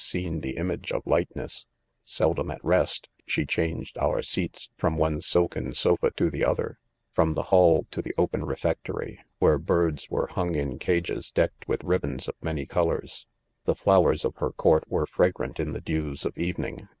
seen the imagfe of lightness. THE CATASTROPHE . 201 : l|: Seldom at rest, slie v changed our seats from 'one silken, sofa to ^he other 5 from the ball to the open refectory^ where.; birds were hung in cages decked, with ribands of many col ors, 'The flowers of her court were fragrant in the dews of evening